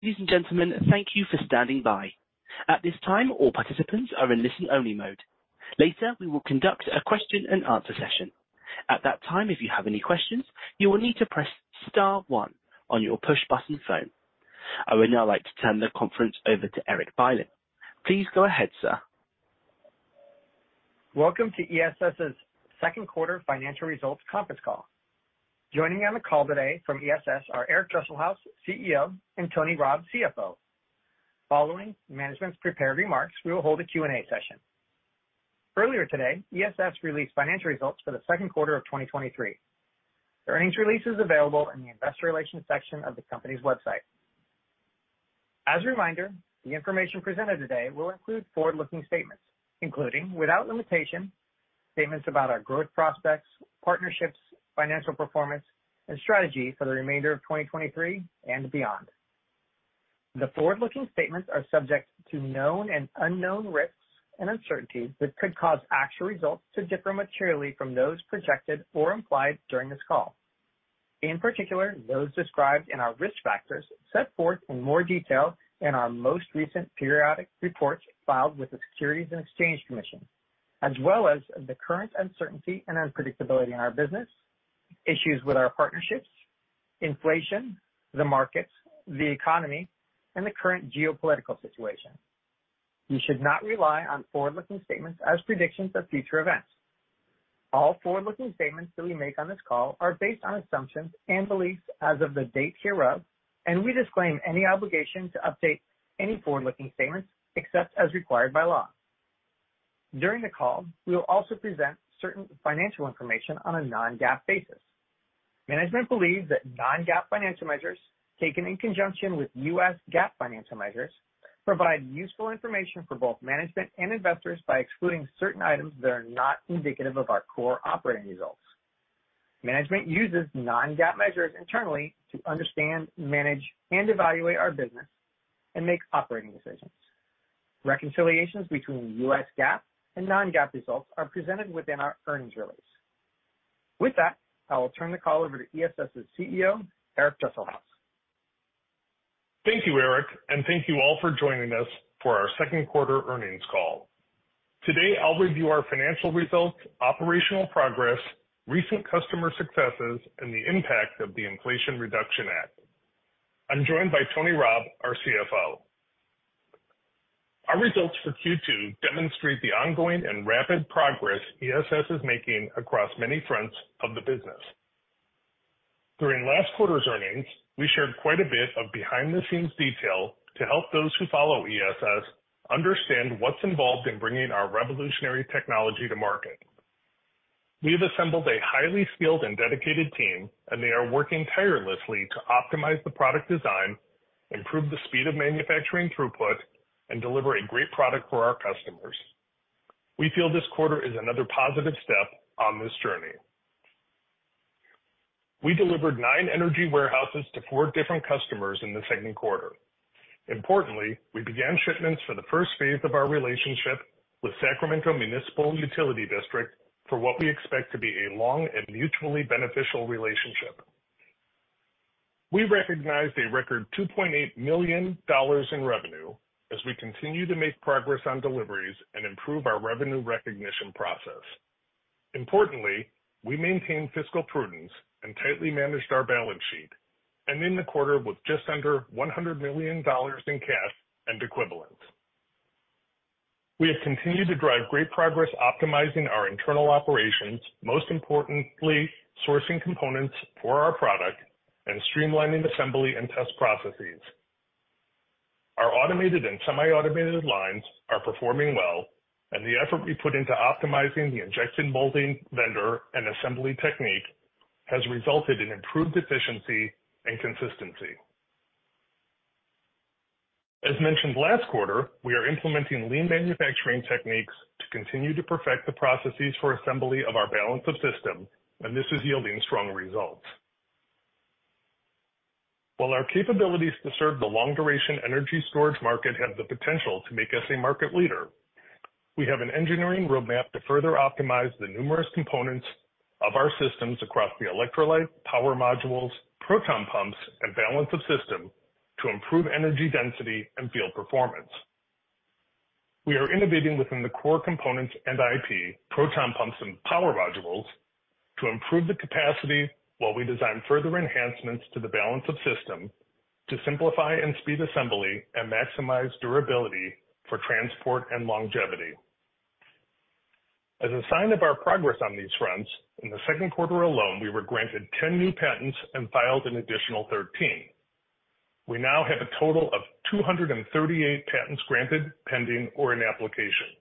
Ladies and gentlemen, thank you for standing by. At this time, all participants are in listen-only mode. Later, we will conduct a question-and-answer session. At that time, if you have any questions, you will need to press star one on your push-button phone. I would now like to turn the conference over to Erik Bylin. Please go ahead, sir. Welcome to ESS's Second Quarter Financial Results Conference Call. Joining on the call today from ESS are Eric Dresselhuys, CEO, and Tony Rabb, CFO. Following management's prepared remarks, we will hold a Q&A session. Earlier today, ESS released financial results for the second quarter of 2023. The earnings release is available in the investor relations section of the company's website. As a reminder, the information presented today will include forward-looking statements, including, without limitation, statements about our growth prospects, partnerships, financial performance, and strategy for the remainder of 2023 and beyond. The forward-looking statements are subject to known and unknown risks and uncertainties that could cause actual results to differ materially from those projected or implied during this call. In particular, those described in our Risk Factors set forth in more detail in our most recent periodic reports filed with the Securities and Exchange Commission, as well as the current uncertainty and unpredictability in our business, issues with our partnerships, inflation, the markets, the economy, and the current geopolitical situation. You should not rely on forward-looking statements as predictions of future events. All forward-looking statements that we make on this call are based on assumptions and beliefs as of the date hereof. We disclaim any obligation to update any forward-looking statements except as required by law. During the call, we will also present certain financial information on a non-GAAP basis. Management believes that non-GAAP financial measures, taken in conjunction with U.S. GAAP financial measures, provide useful information for both management and investors by excluding certain items that are not indicative of our core operating results. Management uses non-GAAP measures internally to understand, manage, and evaluate our business and make operating decisions. Reconciliations between U.S. GAAP and non-GAAP results are presented within our earnings release. With that, I will turn the call over to ESS's CEO, Eric Dresselhuys. Thank you, Eric. Thank you all for joining us for our second quarter earnings call. Today, I'll review our financial results, operational progress, recent customer successes, and the impact of the Inflation Reduction Act. I'm joined by Tony Robb, our CFO. Our results for Q2 demonstrate the ongoing and rapid progress ESS is making across many fronts of the business. During last quarter's earnings, we shared quite a bit of behind-the-scenes detail to help those who follow ESS understand what's involved in bringing our revolutionary technology to market. We have assembled a highly skilled and dedicated team. They are working tirelessly to optimize the product design, improve the speed of manufacturing throughput, and deliver a great product for our customers. We feel this quarter is another positive step on this journey. We delivered nine Energy Warehouses to four different customers in the second quarter. Importantly, we began shipments for the first phase of our relationship with Sacramento Municipal Utility District for what we expect to be a long and mutually beneficial relationship. We recognized a record $2.8 million in revenue as we continue to make progress on deliveries and improve our revenue recognition process. Importantly, we maintained fiscal prudence and tightly managed our balance sheet, ending the quarter with just under $100 million in cash and equivalents. We have continued to drive great progress, optimizing our internal operations, most importantly, sourcing components for our product and streamlining assembly and test processes. Our automated and semi-automated lines are performing well, and the effort we put into optimizing the injection molding vendor and assembly technique has resulted in improved efficiency and consistency. As mentioned last quarter, we are implementing lean manufacturing techniques to continue to perfect the processes for assembly of our balance of system, and this is yielding strong results. While our capabilities to serve the long-duration energy storage market have the potential to make us a market leader, we have an engineering roadmap to further optimize the numerous components of our systems across the electrolyte, power modules, proton pumps, and balance of system to improve energy density and field performance. We are innovating within the core components and IP, proton pumps, and power modules to improve the capacity while we design further enhancements to the balance of system to simplify and speed assembly and maximize durability for transport and longevity. As a sign of our progress on these fronts, in the second quarter alone, we were granted 10 new patents and filed an additional 13. We now have a total of 238 patents granted, pending, or in application.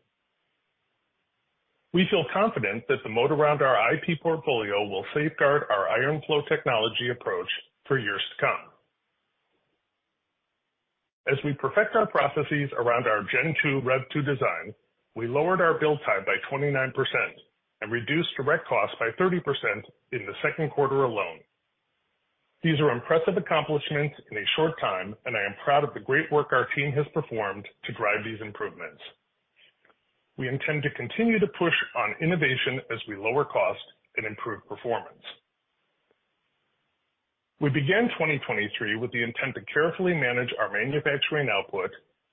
We feel confident that the moat around our IP portfolio will safeguard our iron flow technology approach for years to come. As we perfect our processes around our Gen 2, Rev 2 design, we lowered our build time by 29% and reduced direct costs by 30% in the second quarter alone. These are impressive accomplishments in a short time, and I am proud of the great work our team has performed to drive these improvements. We intend to continue to push on innovation as we lower cost and improve performance. We began 2023 with the intent to carefully manage our manufacturing output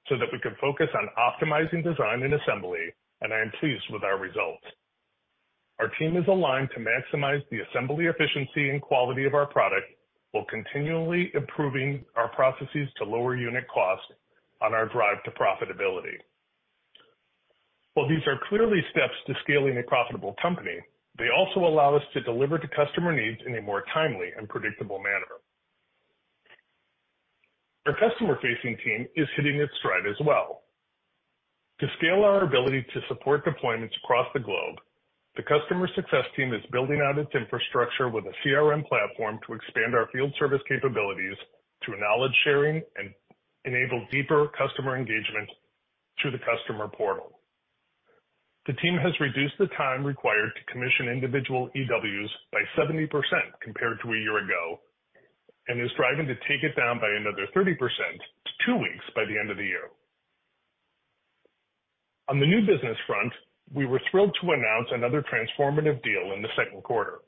so that we could focus on optimizing design and assembly, and I am pleased with our results. Our team is aligned to maximize the assembly efficiency and quality of our product, while continually improving our processes to lower unit cost on our drive to profitability. While these are clearly steps to scaling a profitable company, they also allow us to deliver to customer needs in a more timely and predictable manner. Our customer-facing team is hitting its stride as well. To scale our ability to support deployments across the globe, the customer success team is building out its infrastructure with a CRM platform to expand our field service capabilities to knowledge sharing and enable deeper customer engagement through the customer portal. The team has reduced the time required to commission individual EWs by 70% compared to a year ago, and is striving to take it down by another 30% to two weeks by the end of the year. On the new business front, we were thrilled to announce another transformative deal in the second quarter.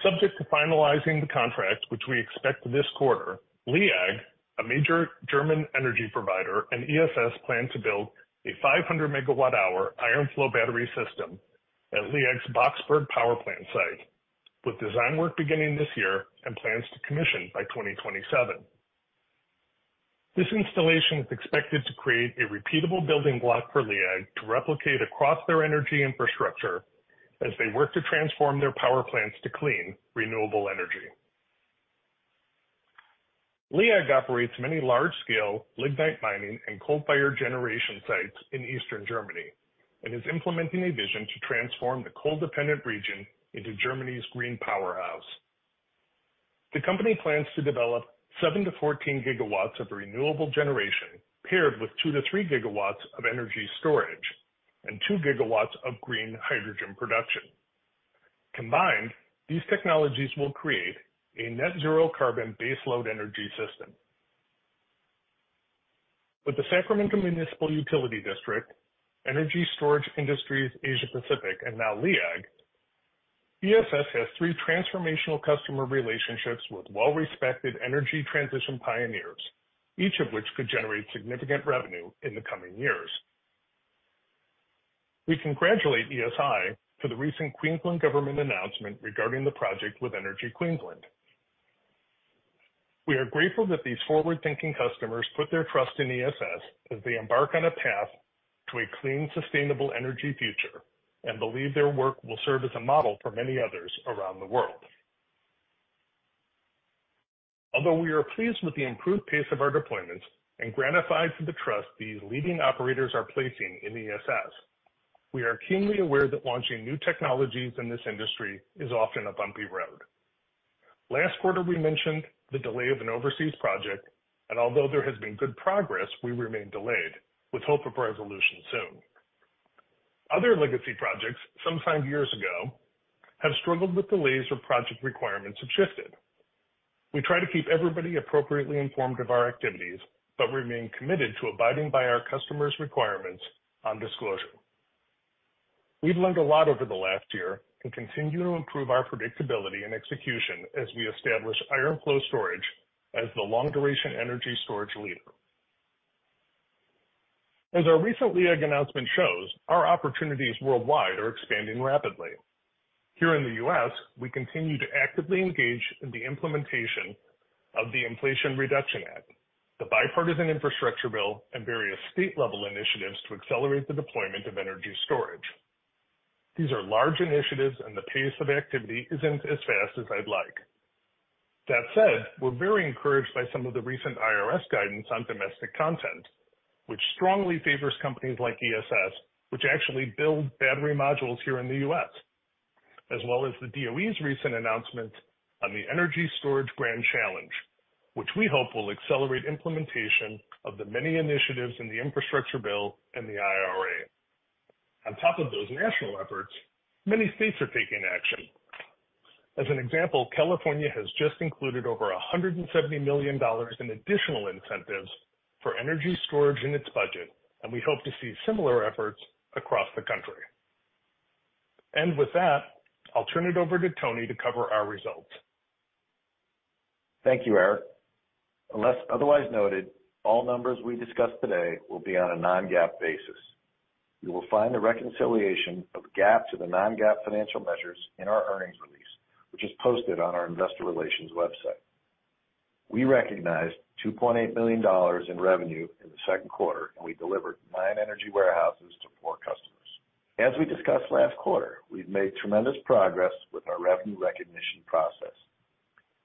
Subject to finalizing the contract, which we expect this quarter, LEAG, a major German energy provider, and ESS plan to build a 500 MWh iron flow battery system at LEAG's Boxberg power plant site, with design work beginning this year and plans to commission by 2027. This installation is expected to create a repeatable building block for LEAG to replicate across their energy infrastructure as they work to transform their power plants to clean, renewable energy. LEAG operates many large-scale lignite mining and coal-fired generation sites in Eastern Germany, and is implementing a vision to transform the coal-dependent region into Germany's green powerhouse. The company plans to develop 7-14 GW of renewable generation, paired with 2 GW-3 GW of energy storage and 2 GW of green hydrogen production. Combined, these technologies will create a net zero carbon baseload energy system. With the Sacramento Municipal Utility District, Energy Storage Industries Asia Pacific, and now LEAG, ESS has three transformational customer relationships with well-respected energy transition pioneers, each of which could generate significant revenue in the coming years. We congratulate ESI for the recent Queensland Government announcement regarding the project with Energy Queensland. We are grateful that these forward-thinking customers put their trust in ESS as they embark on a path to a clean, sustainable energy future, and believe their work will serve as a model for many others around the world. Although we are pleased with the improved pace of our deployments and gratified for the trust these leading operators are placing in ESS, we are keenly aware that launching new technologies in this industry is often a bumpy road. Last quarter, we mentioned the delay of an overseas project. Although there has been good progress, we remain delayed, with hope of a resolution soon. Other legacy projects, some signed years ago, have struggled with delays or project requirements have shifted. We try to keep everybody appropriately informed of our activities. We remain committed to abiding by our customers' requirements on disclosure. We've learned a lot over the last year to continue to improve our predictability and execution as we establish iron flow storage as the long-duration energy storage leader. As our recent LEAG announcement shows, our opportunities worldwide are expanding rapidly. Here in the U.S. we continue to actively engage in the implementation of the Inflation Reduction Act, the Bipartisan Infrastructure Bill, and various state-level initiatives to accelerate the deployment of energy storage. These are large initiatives. The pace of activity isn't as fast as I'd like. That said, we're very encouraged by some of the recent IRS guidance on domestic content, which strongly favors companies like ESS, which actually build battery modules here in the U.S. as well as the DOE's recent announcement on the Energy Storage Grand Challenge, which we hope will accelerate implementation of the many initiatives in the infrastructure bill and the IRA. On top of those national efforts, many states are taking action. As an example, California has just included over $170 million in additional incentives for energy storage in its budget. We hope to see similar efforts across the country. With that, I'll turn it over to Tony to cover our results. Thank you, Eric. Unless otherwise noted, all numbers we discuss today will be on a non-GAAP basis. You will find the reconciliation of GAAP to the non-GAAP financial measures in our earnings release, which is posted on our investor relations website. We recognized $2.8 million in revenue in the second quarter. We delivered nine Energy Warehouses to four customers. As we discussed last quarter, we've made tremendous progress with our revenue recognition process.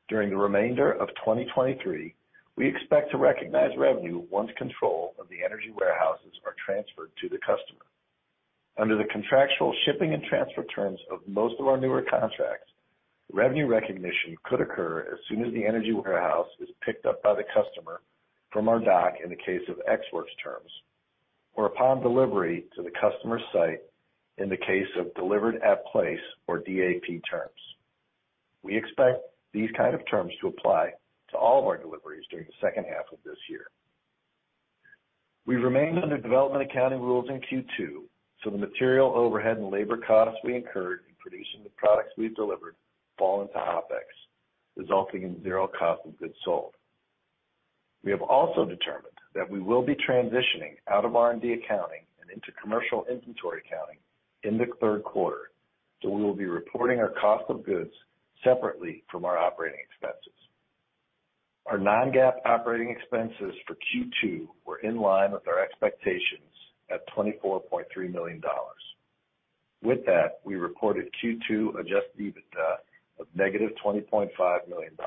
During the remainder of 2023, we expect to recognize revenue once control of the Energy Warehouses are transferred to the customer. Under the contractual shipping and transfer terms of most of our newer contracts, revenue recognition could occur as soon as the Energy Warehouse is picked up by the customer from our dock in the case of Ex Works terms, or upon delivery to the customer's site in the case of delivered at place or DAP terms. We expect these kind of terms to apply to all of our deliveries during the second half of this year. We remained under development accounting rules in Q2. The material, overhead, and labor costs we incurred in producing the products we've delivered fall into OpEx, resulting in zero cost of goods sold. We have also determined that we will be transitioning out of R&D accounting and into commercial inventory accounting in the third quarter, so we will be reporting our cost of goods separately from our operating expenses. Our non-GAAP operating expenses for Q2 were in line with our expectations at $24.3 million. With that, we recorded Q2 Adjusted EBITDA of -$20.5 million.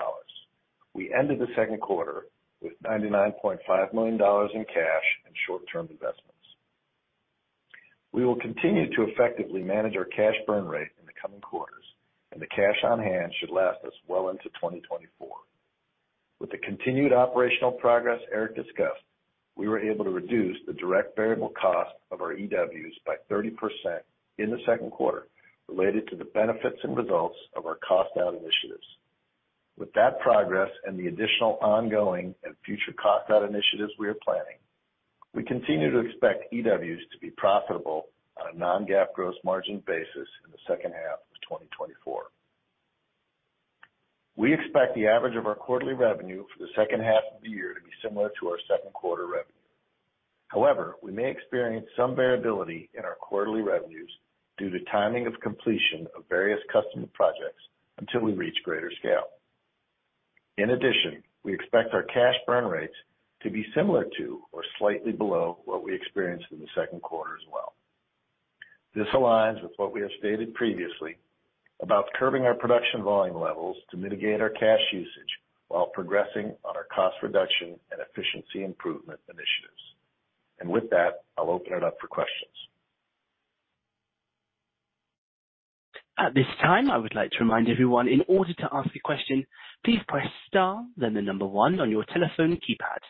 We ended the second quarter with $99.5 million in cash and short-term investments. We will continue to effectively manage our cash burn rate in the coming quarters, and the cash on hand should last us well into 2024. With the continued operational progress Eric Dresselhuys discussed, we were able to reduce the direct variable cost of our EWs by 30% in the second quarter, related to the benefits and results of our cost-out initiatives. With that progress and the additional ongoing and future cost-out initiatives we are planning, we continue to expect EWs to be profitable on a non-GAAP gross margin basis in the second half of 2024. We expect the average of our quarterly revenue for the second half of the year to be similar to our second quarter revenue. However, we may experience some variability in our quarterly revenues due to timing of completion of various customer projects until we reach greater scale. In addition, we expect our cash burn rates to be similar to or slightly below what we experienced in the second quarter as well. This aligns with what we have stated previously about curbing our production volume levels to mitigate our cash usage while progressing on our cost reduction and efficiency improvement initiatives. With that, I'll open it up for questions. At this time, I would like to remind everyone, in order to ask a question, please press star, then the one on your telephone keypad.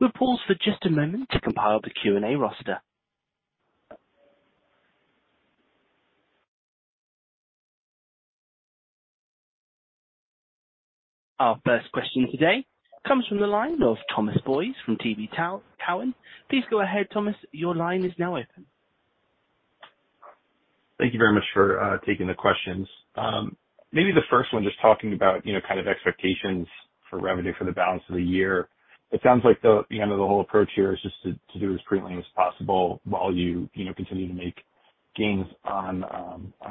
We'll pause for just a moment to compile the Q&A roster. Our first question today comes from the line of Thomas Boyes from TD Cowen. Please go ahead, Thomas. Your line is now open. Thank you very much for taking the questions. Maybe the first one, just talking about, you know, kind of expectations for revenue for the balance of the year. It sounds like the, you know, the whole approach here is just to, to do as cleanly as possible while you, you know, continue to make gains on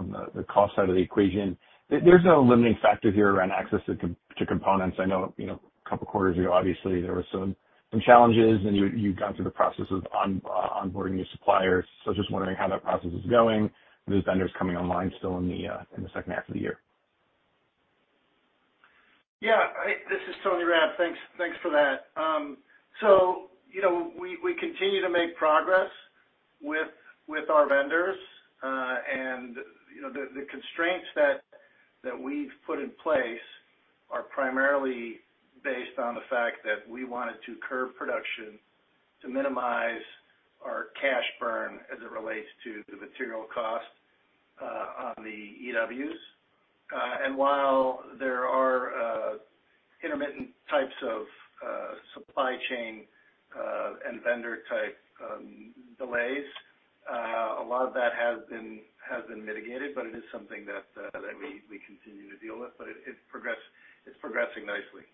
the, the cost side of the equation. There's no limiting factor here around access to components. I know, you know, a couple quarters ago, obviously there were some, some challenges, and you, you've gone through the process of onboarding new suppliers. So just wondering how that process is going and the vendors coming online still in the second half of the year. Yeah. This is Anthony Rabb. Thanks, thanks for that. You know, we, we continue to make progress with, with our vendors. The constraints that, that we've put in place are primarily based on the fact that we wanted to curb production to minimize our cash burn as it relates to the material cost on the EWs. While there are intermittent types of supply chain and vendor type delays, a lot of that has been, has been mitigated, but it is something that we, we continue to deal with. It's progressing nicely.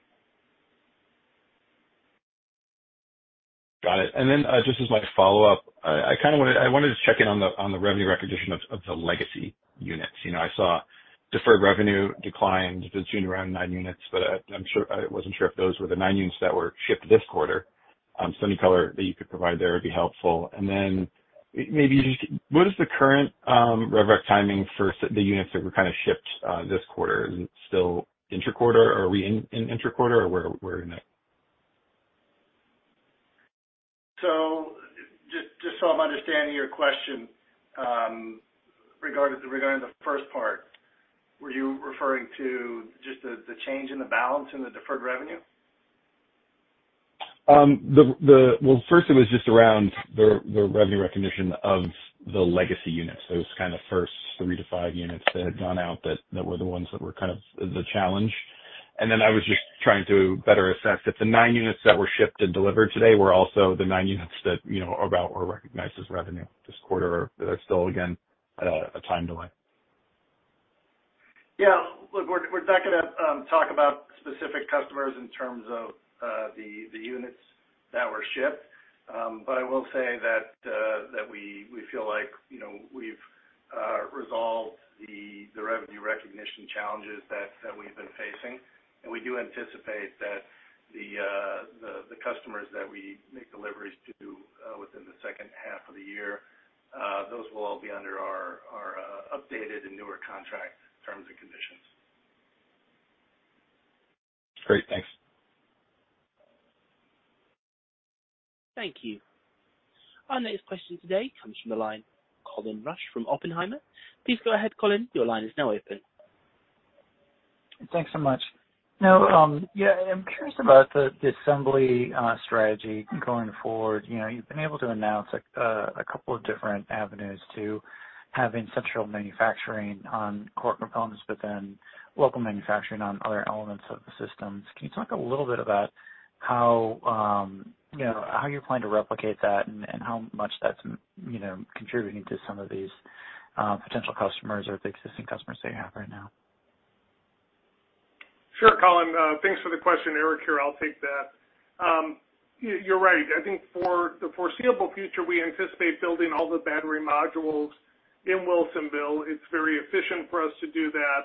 Got it. Then, just as my follow-up, I kinda wanna, I wanted to check in on the, on the revenue recognition of, of the legacy units. You know, I saw deferred revenue declined between around 9 units, but I wasn't sure if those were the 9 units that were shipped this quarter. Any color that you could provide there would be helpful. Maybe just what is the current, rev rec timing for the units that were kind of shipped, this quarter? Is it still interquarter? Are we in, in interquarter, or where, where in it? Just, just so I'm understanding your question, regarding the, regarding the first part, were you referring to just the, the change in the balance in the deferred revenue? Well, first it was just around the, the revenue recognition of the legacy units, those kind of first 3-5 units that had gone out, that, that were the ones that were kind of the challenge. I was just trying to better assess if the 9 units that were shipped and delivered today were also the 9 units that about were recognized as revenue this quarter, or if there's still, again, a time delay. Yeah. Look, we're, we're not gonna talk about specific customers in terms of the, the units that were shipped. But I will say that we, we feel like, you know, we've resolved the, the revenue recognition challenges that, that we've been facing. We do anticipate that the, the, the customers that we make deliveries to within the second half of the year, those will all be under our, our updated and newer contract terms and conditions. Great. Thanks. Thank you. Our next question today comes from the line, Colin Rusch from Oppenheimer. Please go ahead, Colin. Your line is now open. Thanks so much. Now, yeah, I'm curious about the, the assembly strategy going forward. You've been able to announce, like, a couple of different avenues to having central manufacturing on core components, but then local manufacturing on other elements of the systems. Can you talk a little bit about how, you know, how you plan to replicate that and, and how much that's contributing to some of these, potential customers or the existing customers that you have right now? Sure, Colin. Thanks for the question. Eric here, I'll take that. You're right. I think for the foreseeable future, we anticipate building all the battery modules in Wilsonville. It's very efficient for us to do that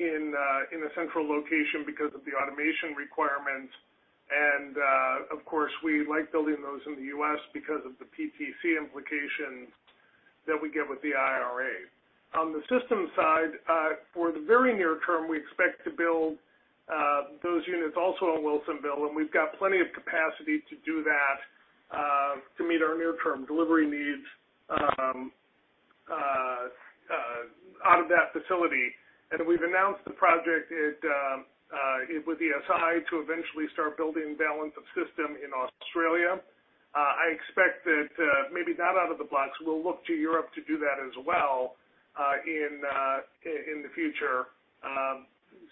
in a central location because of the automation requirements. Of course, we like building those in the U.S. because of the PTC implications that we get with the IRA. On the systems side, for the very near term, we expect to build those units also in Wilsonville, and we've got plenty of capacity to do that to meet our near-term delivery needs out of that facility. We've announced the project it with ESI to eventually start building balance of system in Australia. I expect that, maybe not out of the blocks, we'll look to Europe to do that as well, in the future,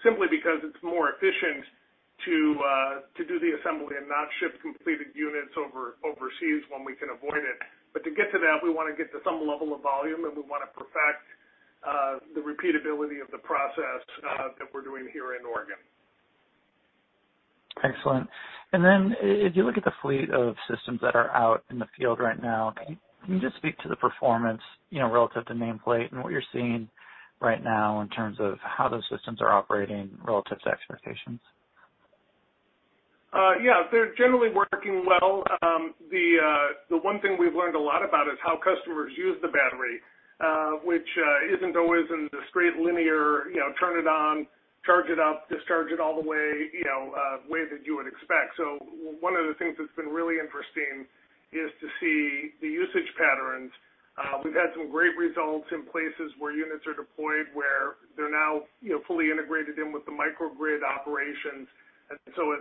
simply because it's more efficient to do the assembly and not ship completed units overseas when we can avoid it. To get to that, we want to get to some level of volume, and we want to perfect the repeatability of the process that we're doing here in Oregon. Excellent. Then if you look at the fleet of systems that are out in the field right now, can you just speak to the performance, you know, relative to nameplate and what you're seeing right now in terms of how those systems are operating relative to expectations? Yeah, they're generally working well. The one thing we've learned a lot about is how customers use the battery, which isn't always in the straight linear, you know, turn it on, charge it up, discharge it all the way way that you would expect. One of the things that's been really interesting is to see the usage patterns. We've had some great results in places where units are deployed, where they're now fully integrated in with the microgrid operations. As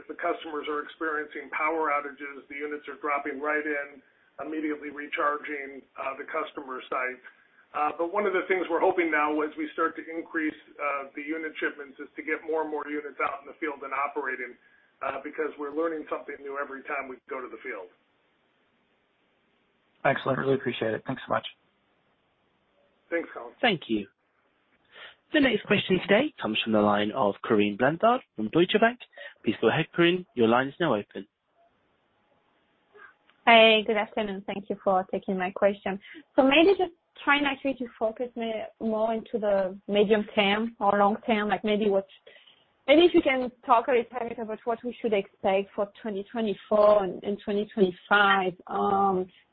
the customers are experiencing power outages, the units are dropping right in, immediately recharging the customer site. One of the things we're hoping now as we start to increase, the unit shipments, is to get more and more units out in the field and operating, because we're learning something new every time we go to the field. Excellent. Really appreciate it. Thanks so much. Thanks, Colin. Thank you. The next question today comes from the line of Corinne Blanchard from Deutsche Bank. Please go ahead, Corinne. Your line is now open. Hey, good afternoon, thank you for taking my question. Maybe just trying actually to focus me more into the medium term or long term, like maybe if you can talk a little bit about what we should expect for 2024 and 2025,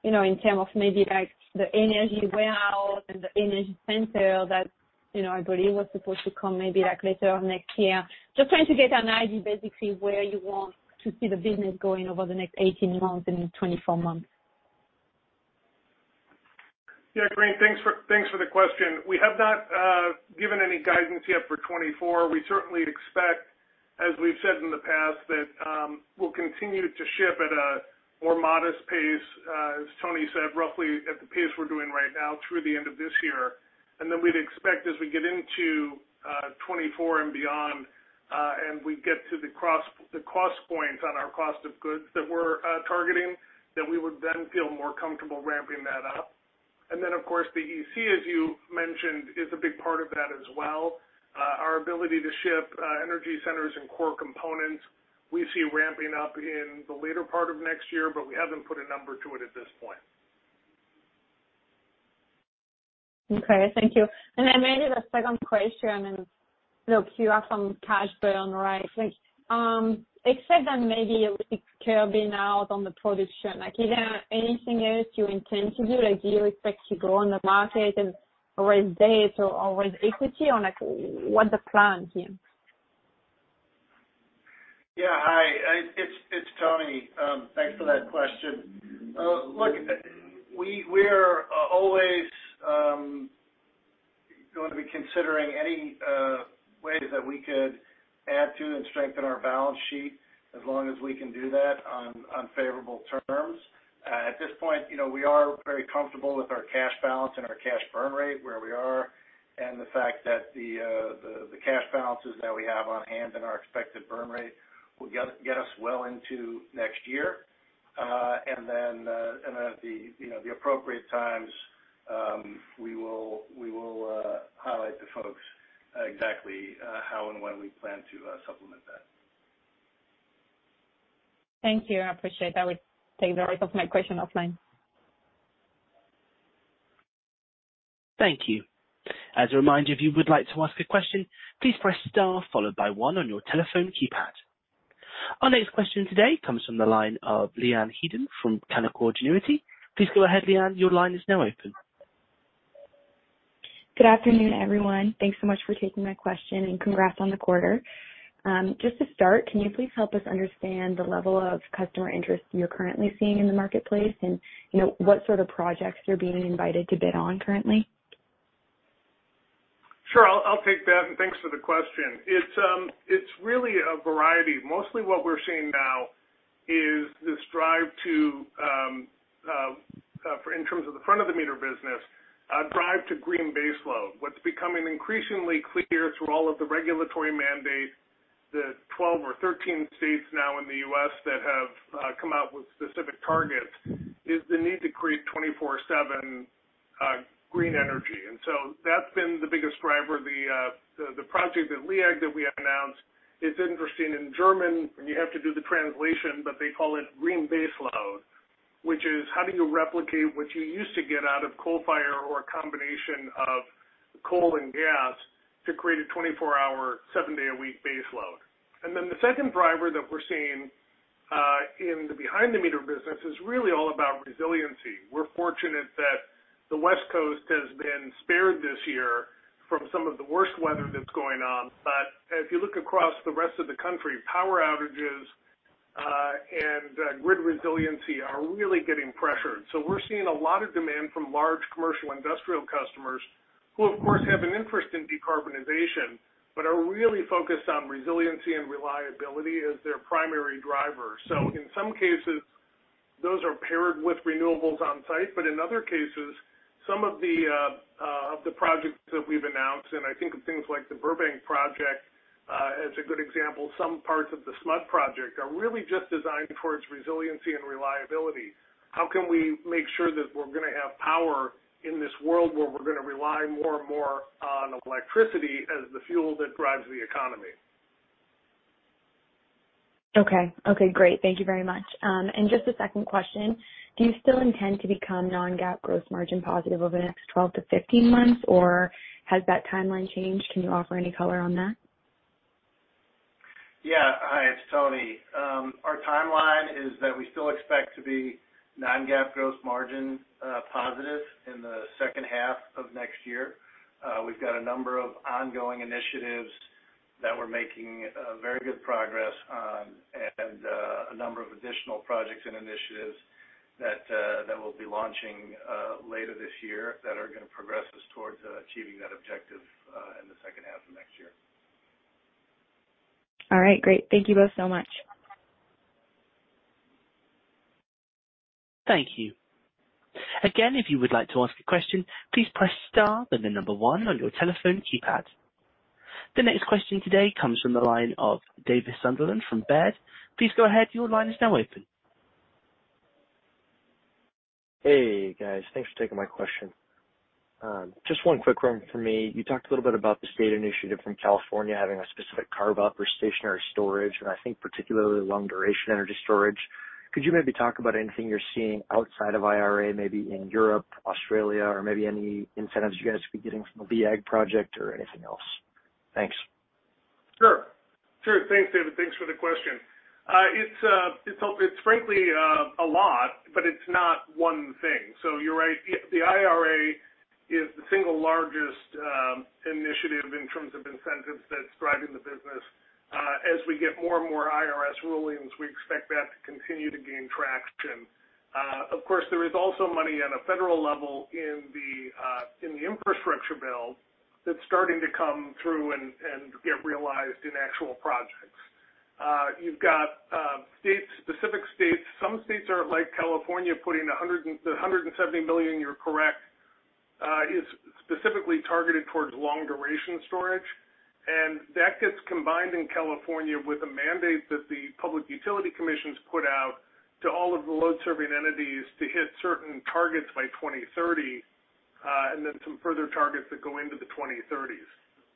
you know, in terms of maybe like the Energy Warehouse and the Energy Center that, you know, I believe was supposed to come maybe like later next year. Just trying to get an idea, basically, where you want to see the business going over the next 18 months and 24 months? Yeah, Corinne, thanks for, thanks for the question. We have not given any guidance yet for 2024. We certainly expect, as we've said in the past, that we'll continue to ship at a more modest pace, as Tony said, roughly at the pace we're doing right now through the end of this year. We'd expect as we get into 2024 and beyond, and we get to the cost points on our cost of goods that we're targeting, that we would then feel more comfortable ramping that up. Of course, the EC, as you mentioned, is a big part of that as well. Our ability to ship energy centers and core components, we see ramping up in the later part of next year, but we haven't put a number to it at this point. Okay, thank you. Then maybe the second question, and look, you are from cash burn, right? Like, except that maybe a little bit curbing out on the production, like, is there anything else you intend to do? Like, do you expect to grow on the market and raise debt or raise equity, or like, what's the plan here? Yeah, hi, it's Tony. Thanks for that question. Look, we, we're always going to be considering any ways that we could add to and strengthen our balance sheet as long as we can do that on favorable terms. At this point, you know, we are very comfortable with our cash balance and our cash burn rate where we are, and the fact that the, the cash balances that we have on hand and our expected burn rate will get, get us well into next year. And at the, you know, the appropriate times, we will, we will highlight to folks exactly how and when we plan to supplement that. Thank you. I appreciate that. I will take the rest of my question offline. Thank you. As a reminder, if you would like to ask a question, please press star followed by one on your telephone keypad. Our next question today comes from the line of Leanne Hayden from Canaccord Genuity. Please go ahead, Leanne, your line is now open. Good afternoon, everyone. Thanks so much for taking my question, and congrats on the quarter. Just to start, can you please help us understand the level of customer interest you're currently seeing in the marketplace, and what sort of projects you're being invited to bid on currently? Sure, I'll take that, and thanks for the question. It's, it's really a variety. Mostly what we're seeing now is this drive to, for in terms of the front of the meter business, a drive to green baseload. What's becoming increasingly clear through all of the regulatory mandates, the 12 or 13 states now in the U.S. that have come out with specific targets, is the need to create 24/7 green energy. So that's been the biggest driver. The, the, the project at LEAG that we have announced is interesting. In German, you have to do the translation, but they call it green baseload, which is, how do you replicate what you used to get out of coal fire or a combination of coal and gas to create a 24-hour, 7-day-a-week baseload? The second driver that we're seeing in the behind the meter business is really all about resiliency. We're fortunate that the West Coast has been spared this year from some of the worst weather that's going on, but if you look across the rest of the country, power outages and grid resiliency are really getting pressured. We're seeing a lot of demand from large commercial industrial customers who, of course, have an interest in decarbonization, but are really focused on resiliency and reliability as their primary driver. In some cases, those are paired with renewables on site, but in other cases, some of the projects that we've announced, and I think of things like the Burbank project, as a good example, some parts of the SMUD project are really just designed towards resiliency and reliability. How can we make sure that we're gonna have power in this world where we're gonna rely more and more on electricity as the fuel that drives the economy? Okay. Okay, great. Thank you very much. Just a second question: Do you still intend to become non-GAAP gross margin positive over the next 12-15 months, or has that timeline changed? Can you offer any color on that? Yeah. Hi, it's Tony. Our timeline is that we still expect to be non-GAAP gross margin positive in the second half of next year. We've got a number of ongoing initiatives that we're making very good progress on and a number of additional projects and initiatives that we'll be launching later this year that are gonna progress us towards achieving that objective in the second half of next year. All right, great. Thank you both so much. Thank you. If you would like to ask a question, please press star, then the one on your telephone keypad. The next question today comes from the line of Davis Sunderland from Baird. Please go ahead. Your line is now open. Hey, guys. Thanks for taking my question. Just one quick one for me. You talked a little bit about the state initiative from California having a specific carve-out for stationary storage, and I think particularly long-duration energy storage. Could you maybe talk about anything you're seeing outside of IRA, maybe in Europe, Australia, or maybe any incentives you guys could be getting from the LEAG project or anything else? Thanks. Sure. Sure. Thanks, David. Thanks for the question. It's, it's hopefully, it's frankly, a lot, but it's not one thing. You're right. The IRA is the single largest initiative in terms of incentives that's driving the business. As we get more and more IRS rulings, we expect that to continue to gain traction. Of course, there is also money at a federal level in the infrastructure bill that's starting to come through and get realized in actual projects. You've got states, specific states. Some states are like California, putting $170 billion, you're correct, is specifically targeted towards long-duration storage. That gets combined in California with a mandate that the Public Utility Commission's put out to all of the load-serving entities to hit certain targets by 2030, and then some further targets that go into the 2030s.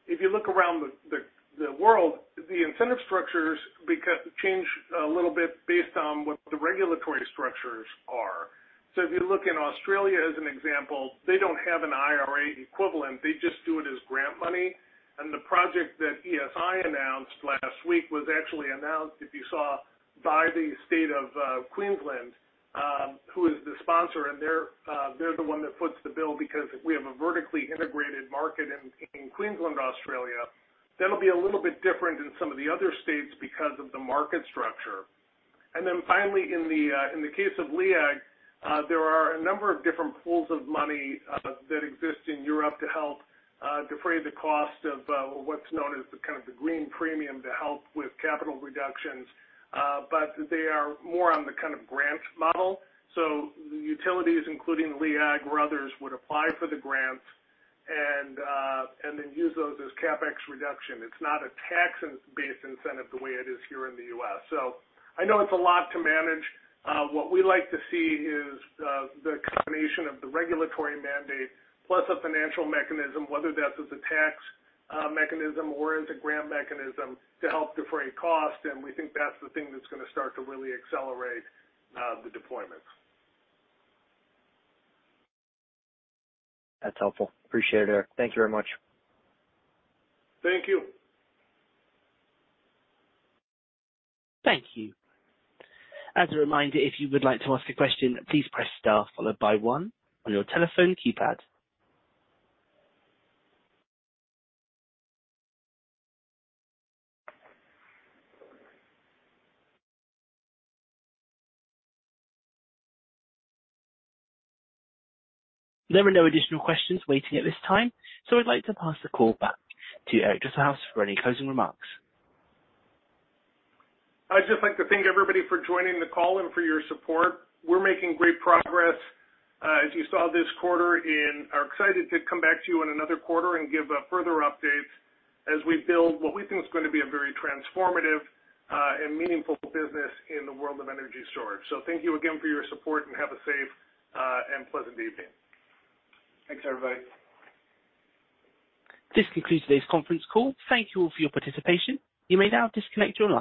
If you look around the world, the incentive structures change a little bit based on what the regulatory structures are. If you look in Australia as an example, they don't have an IRA equivalent. They just do it as grant money. The project that ESI announced last week was actually announced, if you saw, by the state of Queensland, who is the sponsor, and they're the one that foots the bill because we have a vertically integrated market in Queensland, Australia. That'll be a little bit different in some of the other states because of the market structure. Then finally, in the case of LEAG, there are a number of different pools of money that exist in Europe to help defray the cost of what's known as the kind of the green premium to help with capital reductions. They are more on the kind of grant model. The utilities, including LEAG or others, would apply for the grants and then use those as CapEx reduction. It's not a tax-based incentive the way it is here in the U.S. I know it's a lot to manage. What we like to see is the combination of the regulatory mandate plus a financial mechanism, whether that's as a tax mechanism or as a grant mechanism, to help defray cost. We think that's the thing that's gonna start to really accelerate the deployments. That's helpful. Appreciate it. Thank you very much. Thank you. Thank you. As a reminder, if you would like to ask a question, please press star followed by one on your telephone keypad. There are no additional questions waiting at this time, I'd like to pass the call back to Eric Dresselhuys for any closing remarks. I'd just like to thank everybody for joining the call and for your support. We're making great progress, as you saw this quarter, and are excited to come back to you in another quarter and give further updates as we build what we think is gonna be a very transformative and meaningful business in the world of energy storage. Thank you again for your support, and have a safe and pleasant evening. Thanks, everybody. This concludes today's conference call. Thank you all for your participation. You may now disconnect your lines.